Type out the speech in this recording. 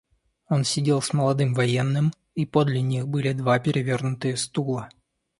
Он сидел с молодым военным, и подле них были два перевернутые стула.